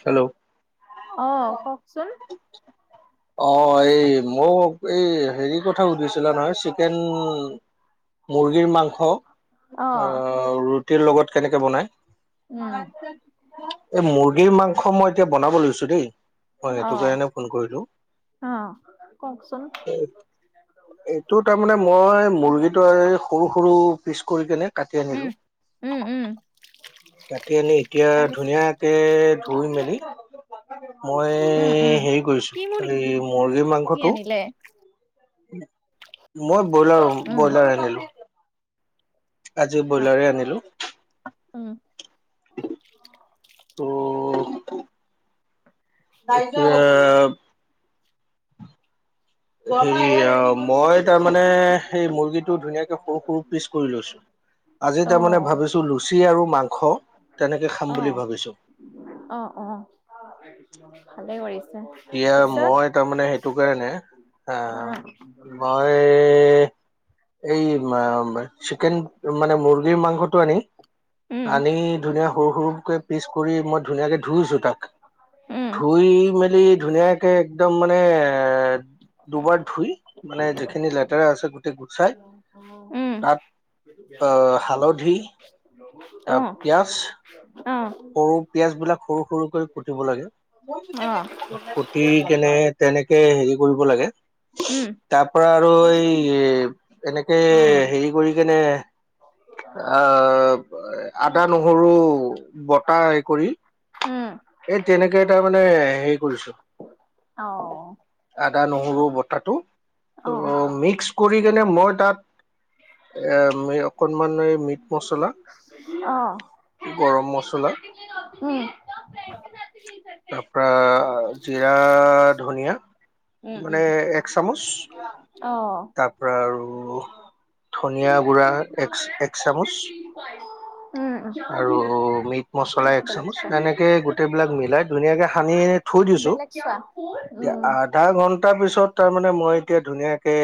Hello. অঁ' কওকচোন। অঁ' এই মোক এই হেৰি কথা সুধিছিলা নহয়, চিকেন- মুৰ্গীৰ মাংস অ ৰুটিৰ লগত কেনেকে বনায়? উম, [unintelligible] এই মুৰ্গীৰ মাংস মই এতিয়া বনাব লৈছো দেই, মই সেইটো অ', কাৰণে ফোন কৰিলো। অ', কওকচোন? এইটো তাৰমানানে মই মুৰ্গীটো আৰু সৰু সৰু পিচ কৰি কেনে কাটি উম, আনিলো। উম উম। কাটি আনি এতিয়া তাৰপিছ, ধুনীয়াকে ধুই মেলি, মই উম, উম, হেৰি কি কৰিছো এই মুৰ্গী মুৰ্গীৰ মাংসটো। আনিলে? মই ব্ৰইলাৰ উম, ব্ৰইলাৰ আনিলো। আজি ব্ৰইলাৰে আনিলো। উম। [inaudible] ত'। এতিয়া হেৰি মই তাৰমানানে সেই মুৰ্গীটো ধুনীয়াকে সৰু সৰু পিচ কৰি লৈছো। আজি তাৰমানে অ', ভাবিছো লুচি আৰু মাংস তেনেকে খাম অ', বুলি ভাবিছো। অ', অ' ভালেই কৰিছে। এতিয়া পিছত মই তাৰমানে সেইটো কাৰণে অ'। আহ মই এই মা মা চিকেন মানে মূৰ্গীৰ মাংসত টো আনি উম, আনি ধুনীয়া সৰু সৰুকে পিচ কৰি মই ধুনীয়াকে ধুইছো তাক। উম, ধুই মেলি, ধুনীয়াকে। একদম মানে এ দুবাৰ ধুই মানে যিখিনি লেতেৰা আছে গোটেই গোচাই উম, তাত, আহ হালধি তা অ', পিঁয়াজ অ'। সৰু পিয়াজ বিলাক সৰু সৰুকই কুটিব লাগে অ', কুটি কেনে, তেনেকে হেৰি কৰিব লাগে উম। তাৰ পৰা আৰু এই, তাৰপিছত, এনেকে হেৰি কৰি কেনে আব, আদা নহৰু বটাহ হে কৰি উম। এই তেনেকে এ তটা মানে হেৰি কৰিছো। অ', আদা নহৰু বতাহটো। অ', অ'। ত' মিক্স কৰি কেনে মই তাত এম অকনমান এই মিট মচলা। গৰম মছলা উম তাৰ পৰা জিৰা ধনিয়া উম, উম, উম মানে উম এক চামুচ অ'। তাৰ পৰা আৰু, ধনিয়া গুড়া এক এক চামুচ বেলেগ আৰু মিট, মচলা এক চামুচ চোৱা এনেকে গোটেই বিলাক মিলাই। ধুনীয়াকে সানি থৈ দিছোঁ। বেলেগ চোৱা এতিয়া উম আ আধা ঘন্টা পিছত তাৰমানে মই এতিয়া ধুনীয়াকে,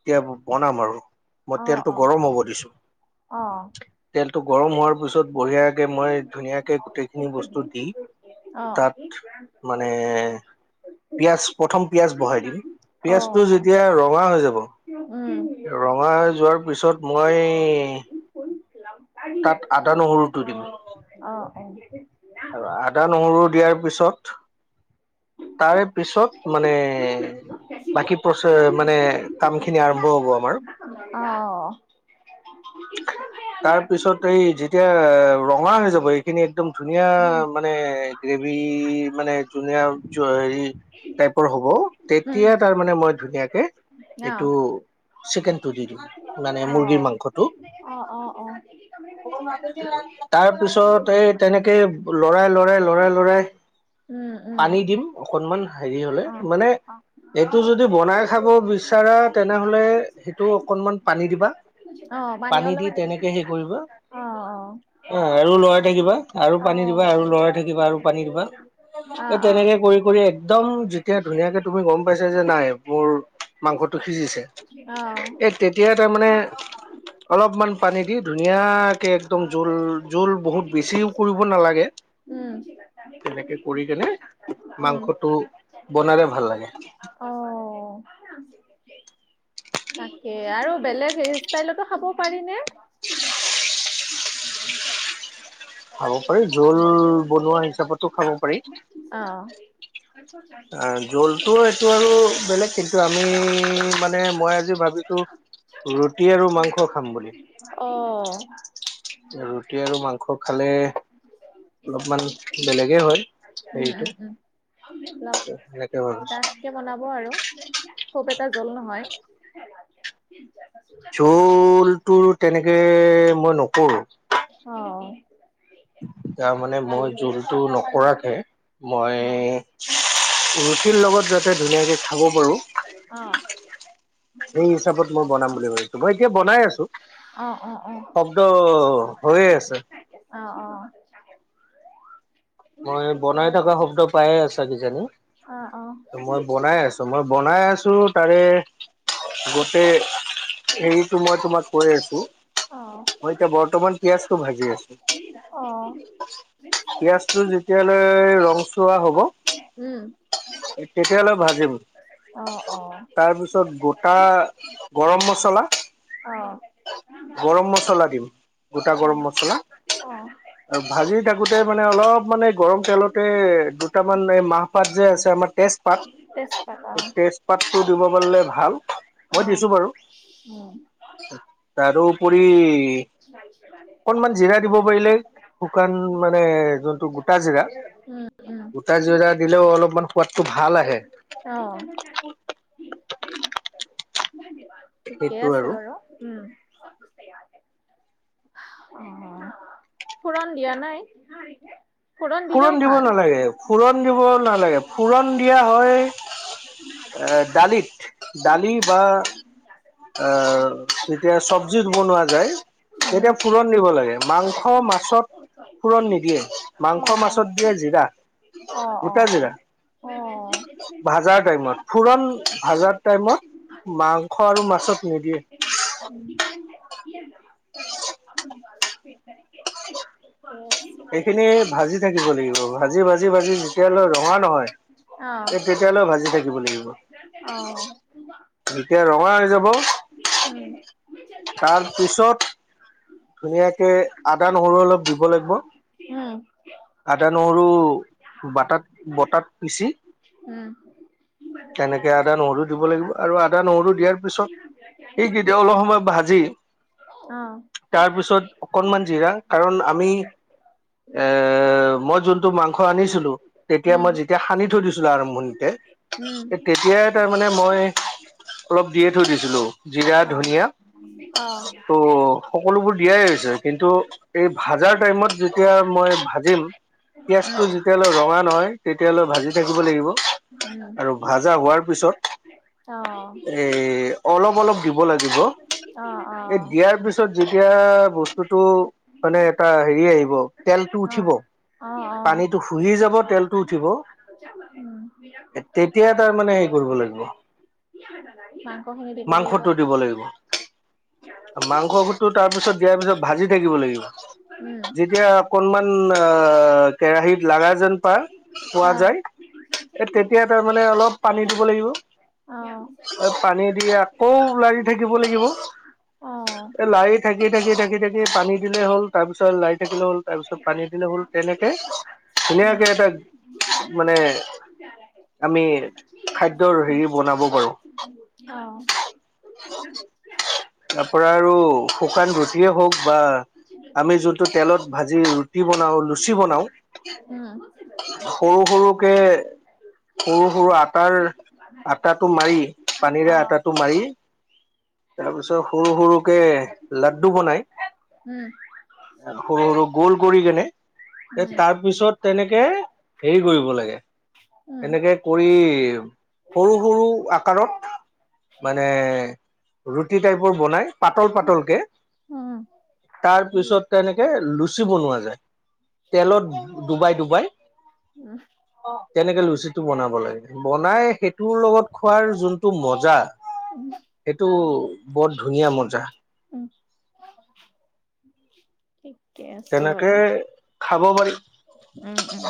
এতিয়া বনাম আৰু মই অ অ তেলটো অ গৰম হ'ব দিছো। অ'। তেলটো গৰম হোৱাৰ পিছত বঢ়িয়াকে মই ধুনীয়াকে গোটেইখিনি বস্তু দি, উম অ তাত অ মানে, পিয়াজ প্ৰথম পিয়াজ বঢহাই দিম পিয়াজটো যেতিয়া ৰঙা হৈ যাব, উ। মাই যোৱাৰ পিছত, মই শুনছিল [unintelligible] তাত আদা নহৰুটো দিম। অঁ, অ'। [unintelligible] আৰু আদা নহৰু দিয়াৰ পিছত, তাৰে পিছত মানে, বাকী প্ৰচে মানে কাম খিনি আৰম্ভ হ'ব আমাৰ। [inaudible] তাৰ পিছত এই যেতিয়া ৰঙা হৈ যাব এইখিনি একদম ধুনীয়া মানে গ্ৰেভী মানে জুল জুল টাইপৰ হ'ব, তেতিয়া তাৰ মানে মই ধুনীয়াকে এইটো চিকেনটো দি দিওঁ, মানে মুৰ্গীৰ মাংসটো। অ অ অ তাৰ পিছত এই তেনেকে, লৰাই লৰাই লৰাই লৰাই উম, উম। পানী দিম অকনমান হেৰি হ'লে, অ', মানে অ'। এইটো যদি বনাই খাব বিচাৰা তেনেহলে সেইটো অকণমান পানী দিবা, অ', পানী দি অলপমান দিব। তেনেকৈ হেৰি কৰিবা। অ', অ'। অ' আৰু লৰাই থাকিবা আৰু অ', অ'। অ', পানী দিবা আৰু লৰাই থাকিবা আৰু পানী দিবা। এ তেনেকে কৰিম। কৰি একদম যেতিয়া ধুনীয়াকে তুমি গ'ম পাইছ যে নাই মোৰ মাংসটো সিজিছে, এ তেতিয়া তাৰমানে, অলপমান পানী দি ধুনীয়াকে একদম জোল জোল বহুত বেছিও কৰিব নালাগে। উম। তেনেকে কৰি [inaudible] কেনে মাংসটো [unintelligible] বনালে ভাল লাগে উম, অ'। তাকে, আৰু বেলেগ হে ষ্টাইলতো খাব পাৰিনে? হয় [unintelligible] খাব পাৰি, জোল বনোৱা হিচাপতো খাব পাৰি। অ'অঁ। আহ জোলটো এইটো আৰু বেলেগ, কিন্তু আমি মানে মই আজি ভাবিছো। ৰুটি আৰু মাংস খাম বুলি। অঁ। ৰুটি আৰু মাংস খালে অলপমান বেলেগেই হয়। উম, হেৰিটো উম, উম। লাভ, সেনেকে ভাবিছো তাত [unintelligible] এতিয়া বনাব আৰু খুব এটা জোল নহয়। জোলটোৰ তেনেকে মই নকৰো। অঁ'। তাৰ মানে মই জোলটো নকৰাকে মই, ৰুটিৰ লগত যাতে ধুনীয়াকে খাব পাৰো। অ'। সেই হিচাপত মই বনাম বুলি ভাবিছো, মই এতিয়া বনাই আছো। অ', অ'। শব্দ হৈয়ে আছে। অ', অ'। মই ঠিকে বনাই থকা আছে, শব্দ পায়ে আছা, কিজানি অ', অ', মই বনাই আছো। ত মই বনাই আছো তাৰে গোটেই। সেইটো মই তোমাক কৈ আছো। অ'। অ'। মই এতিয়া বৰ্তমান পিয়াজটো ভাজি আছো। অ'। পিয়াজটো যেতিয়ালৈ ৰংচোৱা হ'ব উম। তেতিয়ালৈ ভাজিম। অ', তাৰপিছত গোটা গৰম মছলা অ। গৰম অ'। মছলা দিম। গোটা অ', গৰম মছলা, অ', ভাজি থাকোতে মানে অলপ মানে গৰম তেলতে দুটামান এই মাহপাত যে আছে, আমাৰ তেজ জপাত, তেজপাত অ'। তেজপাতটো দিব পাৰিলে ভাল। অ, মই দিছো বাৰু উম। তাৰোপৰি অকনমান জিৰা দিব পাৰিলে শুকান মানে যোনটো গোটা, উম, উম। গোটা জিৰা দিলেও অলপমান সোৱাদটো ভাল আহে। অ। ঠিকেই সেইটো আছে আৰু বাৰু, উম। [unintelligible] ফোৰণ দিয়া নাই। দিলেও ফোৰণ দিব ভাল। নালাগে, ফোৰণ দিব নালাগে। ফোৰণ দিয়া হয় দালিত, দালি বা আহ, যেতিয়া চব্জিত বনোৱা যায় উম। তেতিয়া ফোৰণ দিব লাগে, মাংস-মাছত ফোৰণ নিদিয়ে, অ', অ'। মাংসৰ-মাছত দিয়ে জিৰা। অ, অ, গোটা অ। জিৰা ভাজাৰ টাইমত, ফোৰণ ভাজাৰ টাইমত মাংস আৰু মা ছত নিদিয়ে। [unintelligible] [unintelligible] এইখিনি ভাজি থাকিব লাগিব। ভাজি-ভাজি-ভাজি যেতিয়ালৈ ৰঙা নহয় আছে ইয়াক তেতিয়ালৈ ভাজি থাকিব লাগিব। অ। যেতিয়া ৰঙা হৈ যাব উম। তাৰ পিছত ধুনীয়াকে আদা-নহৰু অলপ দিব লাগিব। উম। আদা-নহৰু বাটাত, বটাত পিচি উম। তেনেকে আদা-নহৰু দিব লাগিব, আৰু আ আদা-নহৰু দিয়াৰ পিছত, সেইখিনি অলপ সময় ভাজি অ তাৰপিছত অকনমান জিৰা, কাৰণ আমি এ মই যোনটো মাংস আনিছিলো, তেতিয়া উম মই যেতিয়া সানি থৈ দিছিলো আৰম্ভণিতে উম এ, তেতিয়াই তাৰ মানে মই অলপ দিয়ে থৈ দিছিলো, অ জিৰা-ধনিয়া। অ। সকলোবোৰ দিয়াই হৈছে, কিন্তু এই ভাত ভজাৰ টাইমত যেতিয়া মই ভাজিম, উম অ পিঁয়াজটো যেতিয়ালৈ ৰঙা নহয় তেতিয়ালৈ ভাজি থাকিব লাগিব আৰু ভাজা হোৱাৰ অ পিছত এ অলপ অলপ দিব লাগিব। অ এই দিয়াৰ পিছত যেতিয়া বস্তুটো মানে এটা হেৰি আহিব। তেল উঠিব অ অ অ পানীটো শুহি যাব তেল [inaudible] তেতিয়া তাৰ মানে হেৰি কৰিব লাগিব মাংস খিনি দিব লাগিব। মাংস [unintelligible] তাৰ পিছত দিয়াৰ পিছত ভাজি থাকিব লাগিব উম যেতিয়া অকণমান আ কেৰাহীত লাগা যেন পা পোৱা যায়, এ তেতিয়া তাৰমানানে অলপ পানী দিব লাগিব। অ এ পানী দিয়ে আকৌ লাৰি থাকিব লাগিব। অ অ এ লায়িট থাকি, থাকি, থাকি, থাকি পানী দিলে হ'ল তাৰপছত লায়ি থাকিলে হ'ল। তাৰপিছত পানী দিলে হ'ল। তেনেকে উম ধুনীয়াকে এটা মানে আমি অ', উম, উম, খাদ্যৰ হেৰি বনাব পাৰোঁ। অ' [unintelligible] তাৰ পৰা আৰু শুকান ৰুটিয়ে হওক বা আমি যোনটো তেলত ভাজি ৰুটি বনাও, লুচি বনাও। উম সৰু, সৰুকে, সৰু, সৰু আটাৰ, আটাটো মাৰি পানীৰে উম, আটাটো মাৰি তাৰপিছত সৰু, সৰুকে লাড্ডু বনাই উম। সৰু, সৰু গোল কৰি কেনে এ তাৰ পিছত তেনেকে হেৰি কৰিব লাগে। এনেকে কৰি সৰু, সৰু আকাৰত মানে, ৰুটি টাইপৰ বনাই পাতল, পাতলকে উম। তাৰ পিছত তেনেকে লুচি বনোৱা যায়। তেলত ডুবাই, ডুবাই। অ তেনেকে লুচি টো বনাব লাগে। বনাই সেইটোৰ লগত খোৱাৰ যোনটো মজা উম, সেইটো বৰ ধুনীয়া মজা। উম, ঠিকে আছে তেনেকে বাৰু। খাব পাৰি। উম, উম।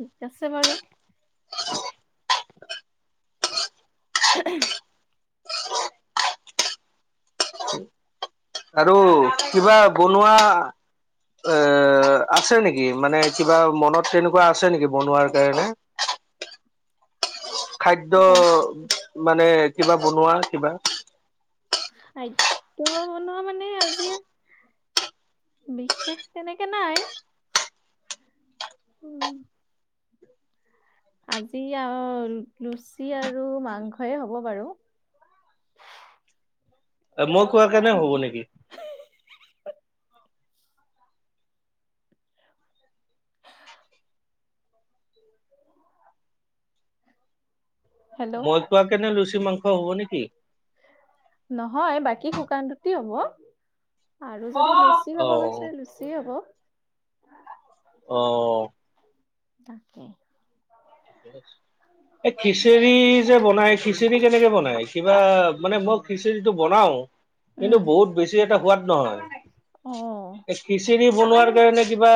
ঠিক আছে বাৰু। আৰু কিবা বনোৱা এ, আছে নেকি? মানে কিবা মনত তেনেকুৱা আছে নেকি, বনোৱাৰ কাৰণে? [inaudible] খাদ্য ব মানে কিবা বনোৱা কিবা? খাদ্য বনোৱা মানে আজিৰ বিশেষ তেনেকে নাই। [inaudible] আজি আ, ৰ লুচি আৰু মাংসই হ'ব বাৰু। মই কোৱা কাৰণে হ'ব বাকী নেকি? হেল্ল' মই কোৱা কাৰনে লুচি, মাংস হ'ব নেকি? নহয় বাকী শুকান ৰুটি হ'ব। আৰু যদি, লুচি অ খাব বিচাৰিছে, লুচিয়ে হ'ব। অ'! তাকেই। [inaudible] এই খিচিৰি যে বিনাই, খিচিৰি কেনেকে বনাই? কিবা, মই খিচিৰিটো বনাও। কিন্তু, উম বহুত বেছি এটা সোৱাদ নহয়। অ'! খিচিৰি বনোৱাৰ কাৰণে, কিবা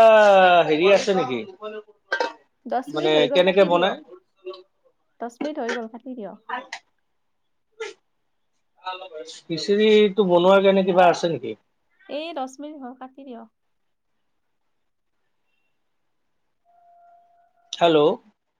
সেৰি আছে নেকি? দহ মানে মিনিট হৈ গ'ল, কেনেকে কাটি বনাই দিয়ক। দহ মিনিট হৈ গ'ল, কাটি দিয়ক। খিচিৰিটো বনোৱাৰ কাৰণে কিবা আছে নেকি? এই দহ মিনিত হ'ল, কাটি দিয়ক। হেল্ল'?